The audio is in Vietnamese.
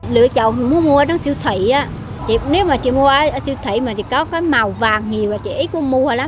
lựa chọn muốn mua ở đóng siêu thị nếu mà chị mua ở siêu thị mà chị có cái màu vàng nhiều là chị ít có mua lắm